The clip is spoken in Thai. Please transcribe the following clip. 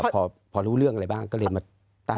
พอรู้เรื่องอะไรบ้างก็เลยมาตั้ง